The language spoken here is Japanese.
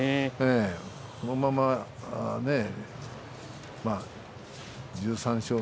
このまま１３勝